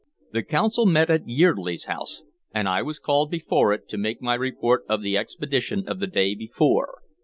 The Council met at Yeardley's house, and I was called before it to make my report of the expedition of the day before.